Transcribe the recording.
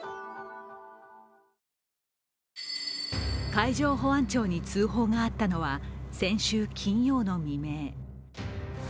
海上保安庁に通報があったのは先週金曜の未明。